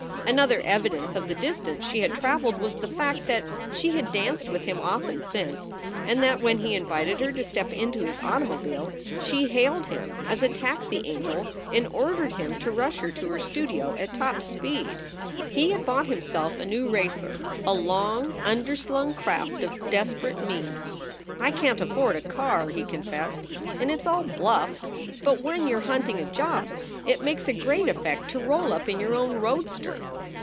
Another evidence of the distance she had traveled was the fact that she had danced with him often since, and that when he invited her to step into his automobile she hailed him as a taxi angel and ordered him to rush her to her studio at top speed. He had bought himself a new racer, a long underslung craft of desperate mien. "I can t afford a car," he con fessed, "and it s all bluff, but when you re hunting a job it makes a great effect to roll up in your own roadster."